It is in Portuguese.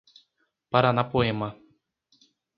Paranapoema